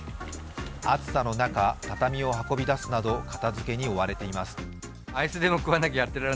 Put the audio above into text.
暑さの中、畳を運び出すなど片づけに追われています。